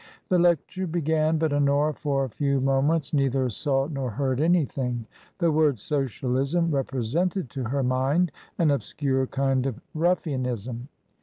The lecture began, but Honora, for a few moments, a^^^^n ^ loo TRANSITION. neither saw nor heard anything. The word " Socialism" represented to her mind an obscure kind of ruffianism.